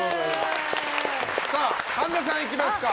神田さんいきますか。